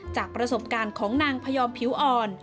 จากประสบการณ์ของนางพยอมผิวอ่อน